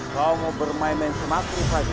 kau mau bermain main semakrif lagi